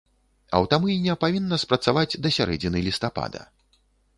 Аўтамыйня павінна спрацаваць да сярэдзіны лістапада.